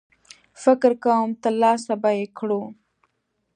فکر کوم ترلاسه به یې کړو.